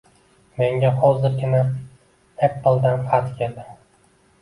Menga hozirgina Apple -dan xat keldi